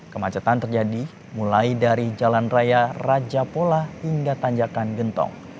kemacetan terjadi mulai dari jalan raya raja pola hingga tanjakan gentong